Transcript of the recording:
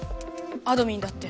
あどミンだって。